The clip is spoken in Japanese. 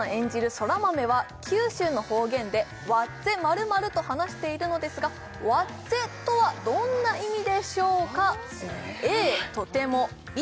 空豆は九州の方言で「わっぜ○○」と話しているのですが「わっぜ」とはどんな意味でしょうか？